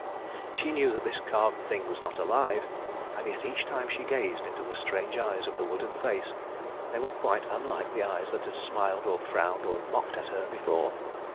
She knew that this carved thing was not alive, and yet each time she gazed into the strange eyes of the wooden face they were quite unlike the eyes that had smiled or frowned or mocked at her before.